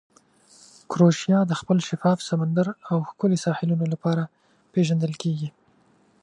کروشیا د خپل شفاف سمندر او ښکلې ساحلونو لپاره پېژندل کیږي.